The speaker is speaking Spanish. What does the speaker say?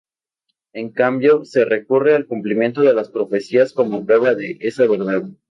En cambio, se recurre al cumplimiento de las profecías como prueba de esa verdad.